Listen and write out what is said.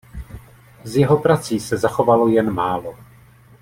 Z jeho prací se zachovalo jen málo.